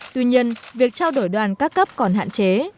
tuy nhiên việc trao đổi đoàn các cấp còn hạn chế